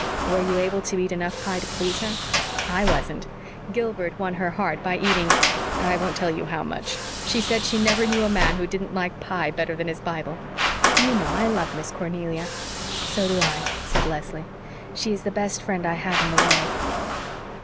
"Were you able to eat enough pie to please her?" "I wasn't. Gilbert won her heart by eating I won't tell you how much. She said she never knew a man who didn't like pie better than his Bible. Do you know, I love Miss Cornelia." "So do I," said Leslie. "She is the best friend I have in the world."